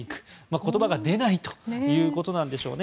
言葉が出ないということなんでしょうね。